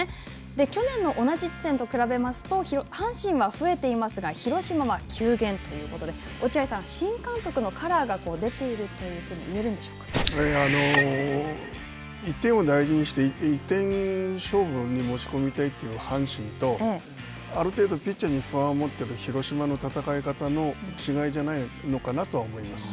去年の同じ時点と比べますと、阪神は増えていますが、広島は急減ということで、落合さん、新監督のカラーが出ているというふうに１点を大事にして、１点勝負に持ち込みたいという阪神と、ある程度ピッチャーに不安を持っている広島の戦い方の違いじゃないのかなとは思います。